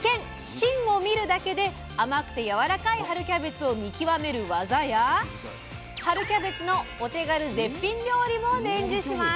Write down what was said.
芯を見るだけで甘くてやわらかい春キャベツを見極める技や春キャベツのお手軽絶品料理も伝授します！